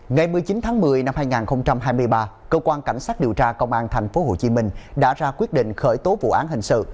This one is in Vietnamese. ngày một mươi chín tháng một mươi năm hai nghìn hai mươi ba cơ quan cảnh sát điều tra công an tp hcm đã ra quyết định khởi tố vụ án hình sự